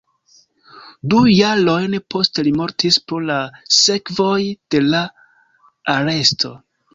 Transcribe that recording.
Du jarojn poste li mortis pro la sekvoj de la aresto.